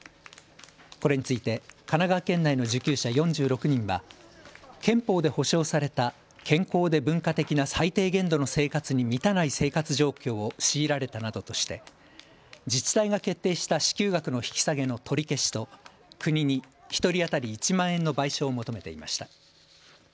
これについて神奈川県内の受給者４６人は憲法で保障された健康で文化的な最低限度の生活に満たない生活状況を強いられたなどとして自治体が決定した支給額の引き下げの取り消しと国に１人当たり１万円の賠償を求めていました。